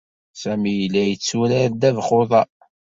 Sami yella yetturar ddabex uḍaṛ.